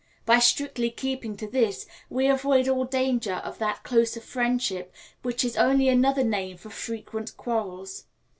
By strictly keeping to this, we avoid all danger of that closer friendship which is only another name for frequent quarrels.